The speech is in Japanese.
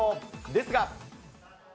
ですが。